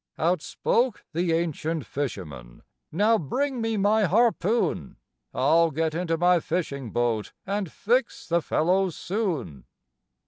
Out spoke the ancient fisherman, "Now bring me my harpoon! I'll get into my fishing boat, and fix the fellow soon."